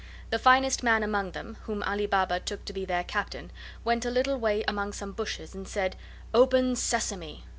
The finest man among them, whom Ali Baba took to be their captain, went a little way among some bushes, and said: "Open, Sesame!"